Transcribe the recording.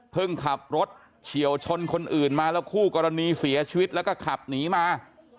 ขับรถเฉียวชนคนอื่นมาแล้วคู่กรณีเสียชีวิตแล้วก็ขับหนีมา